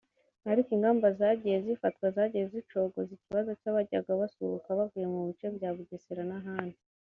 ariko ingamba zagiye zifatwa zagiye zicogoza ikibazo cy’abajyaga basuhuka bavuye mu bice bya Bugesera n’ahandi